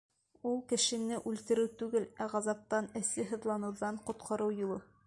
— Ул кешене үлтереү түгел, ә ғазаптан, әсе һыҙланыуҙан ҡотҡарыу юлы.